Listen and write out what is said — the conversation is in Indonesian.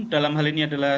dalam hal ini adalah